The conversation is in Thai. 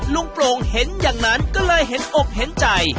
โปร่งเห็นอย่างนั้นก็เลยเห็นอกเห็นใจ